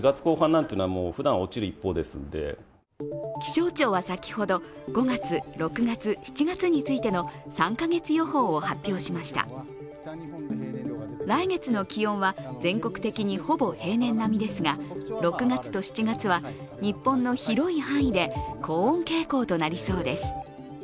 気象庁は先ほど、５月、６月、７月についての３か月予報を発表しました来月の気温は全国的にほぼ平年並みですが、６月と７月は日本の広い範囲で高温傾向となりそうです。